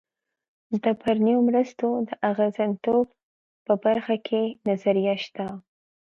د بهرنیو مرستو د اغېزمنتوب په برخه کې نظریه شته.